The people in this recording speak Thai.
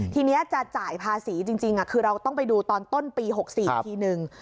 ทีนี้จะจ่ายภาษีจริงคือเราต้องไปดูตอนต้นปี๖๔อีกทีหนึ่ง